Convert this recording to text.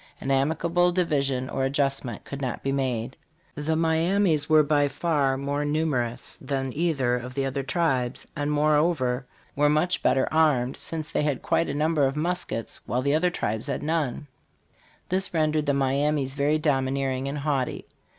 An amicable division or adjustment could not be made. The Miamis were by far more numerous than either of the other tribes, and moreover were much better armed, since they had quite a number of muskets while the other tribes had none This rendered the Miamis very domineering and haughty.